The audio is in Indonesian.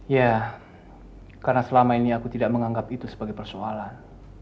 ya karena selama ini aku tidak menganggap itu sebagai persoalan